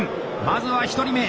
まずは１人目。